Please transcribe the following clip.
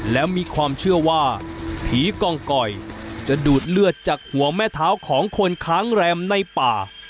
และมีความเชื่อว่าผีกองกอยจะดูดเลือดจากหัวแม่เท้าของคนค้างแรมในป่า